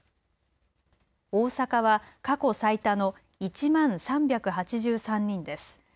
大阪は過去最多の１万３８３人です。